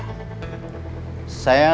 kita sama sama tau